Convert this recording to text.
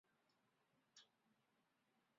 球队的主体育场为。